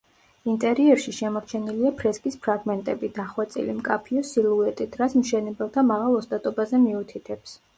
ინტერიერში შემორჩენილია ფრესკის ფრაგმენტები, დახვეწილი, მკაფიო სილუეტით, რაც მშენებელთა მაღალ ოსტატობაზე მიუთითებს.